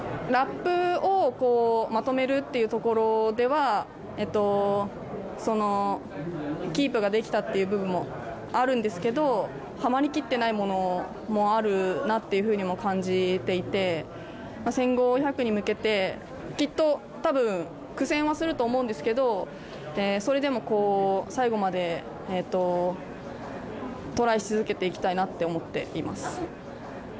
ラップをまとめるっていうところでは、キープができたっていう部分もあるんですけど、はまりきってないものもあるなっていうふうにも感じていて、１５００に向けてきっと、たぶん苦戦はすると思うんですけど、それでも最後までトライし続けていきたいなって思ってます。